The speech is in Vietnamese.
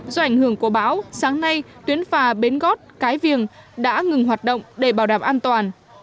do ảnh hưởng của bão sáng nay tuyến phà bến gót cái viềng đã ngừng hoạt động để bảo đảm an toàn